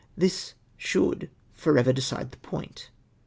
This should for ever decide the point.